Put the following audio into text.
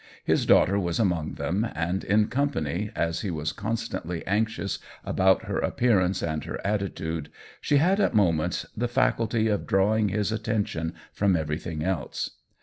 His daughter was among them, and in company, as he was constantly anxious about her appearance and her attitude, she had at moments the faculty of drawing his attention from every thing else.